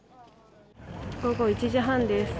午後１時半です。